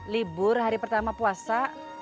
libur hari pertama puasa